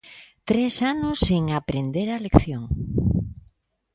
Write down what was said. Tres anos sen aprender a lección.